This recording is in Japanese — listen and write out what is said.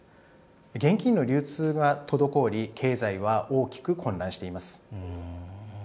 現金の流通が滞り、経済が大きく混乱しています。